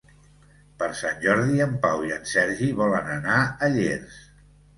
Per Sant Jordi en Pau i en Sergi volen anar a Llers.